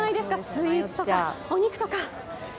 スイーツとか、お肉とか。